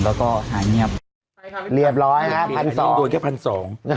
แล้วก็หายเงียบเรียบร้อยพันสองโดนแค่พันสอง